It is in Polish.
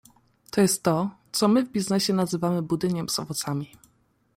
To jest to, co my w biznesie nazywamy budyniem z owocami.